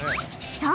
そう！